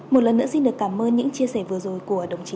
một lần nữa xin được cảm ơn những chia sẻ vừa rồi của đồng chí